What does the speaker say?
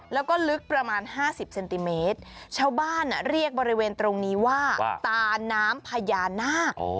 แล้วก็ลึกประมาณ๕๐เซนติเมตรชาวบ้านเรียกบริเวณตรงนี้ว่าตาน้ำพญานาค